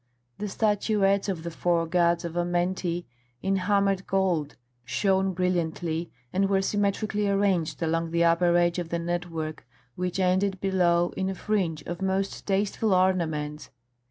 The statuettes of the four gods of Amenti in hammered gold shone brilliantly, and were symmetrically arranged along the upper edge of the network, which ended below in a fringe of most tasteful ornaments.